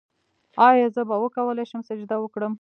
ایا زه به وکولی شم سجده وکړم؟